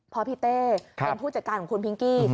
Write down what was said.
เพราะพี่เต้เป็นผู้จัดการของคุณพิงกี้